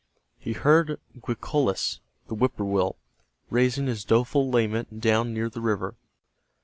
He heard Quekolis, the whippoorwill, raising his doleful lament down near the river.